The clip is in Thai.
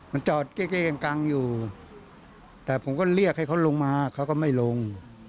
มันจอดเก้ยังกังอยู่แต่ผมก็เรียกให้เขาลงมาเขาก็ไม่ลง